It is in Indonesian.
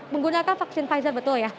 menggunakan vaksin pfizer betul ya